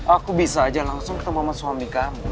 aku bisa aja langsung ketemu sama suami kamu